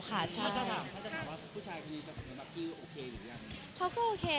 สิ่งที่ผมฝากทุกที่